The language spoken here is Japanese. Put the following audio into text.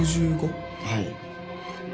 はい